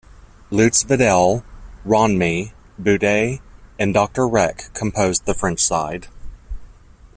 Luits Vidal, Ronmy, Boudet and Doctor Rech composed the French side.